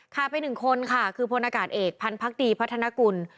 ฆ่าไป๑คนค่ะคือพเอกพันธุ์พักดีพัฒนากุล